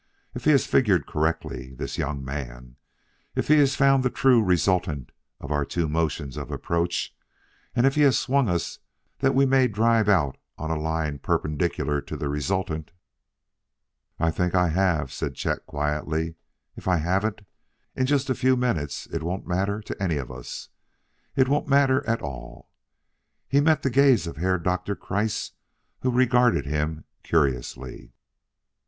If he has figured correctly, this young man if he has found the true resultant of our two motions of approach and if he has swung us that we may drive out on a line perpendicular to the resultant " "I think I have," said Chet quietly. "If I haven't, in just a few minutes it won't matter to any of us; it won't matter at all." He met the gaze of Herr Doktor Kreiss who regarded him curiously.